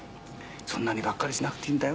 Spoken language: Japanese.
「そんなにガッカリしなくていいんだよ」